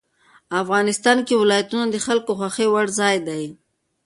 افغانستان کې ولایتونه د خلکو خوښې وړ ځای دی.